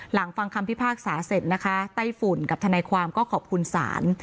ฟังคำพิพากษาเสร็จนะคะไต้ฝุ่นกับทนายความก็ขอบคุณศาล